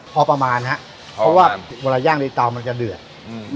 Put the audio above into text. พอประมาณฮะเพราะว่าเวลาย่างในเตามันจะเดือดอืม